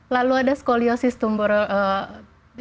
lalu ada skoliosis tumbuh